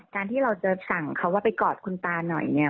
การที่เราจะสั่งเขาว่าไปกอดคุณตาหน่อยเนี่ย